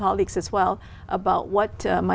ông ấy thật sự đi